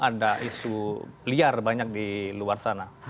ada isu liar banyak di luar sana